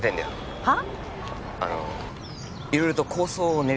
はあ？